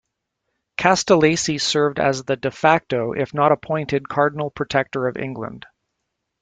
Castellesi served as the "de facto" if not appointed cardinal protector of England.